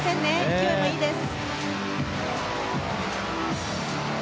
勢いもいいです。